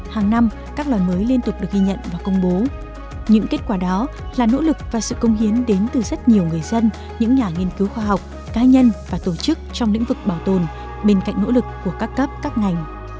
hàng năm các loài mới liên tục được ghi nhận và công bố những kết quả đó là nỗ lực và sự công hiến đến từ rất nhiều người dân những nhà nghiên cứu khoa học cá nhân và tổ chức trong lĩnh vực bảo tồn bên cạnh nỗ lực của các cấp các ngành